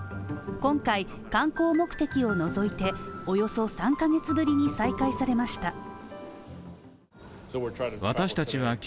今回、観光目的を除いて、およそ３カ月ぶりに再開されました。